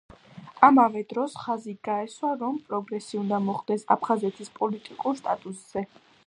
ამავე დროს, ხაზი გაესვა, რომ პროგრესი უნდა მოხდეს აფხაზეთის პოლიტიკურ სტატუსზე.